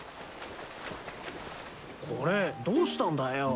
これどうしたんだよ。